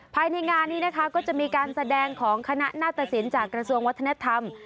ภายในงานนี้นะคะก็จะมีการแสดงของคณะนาตสินจากกระทรวงวัฒนธรรม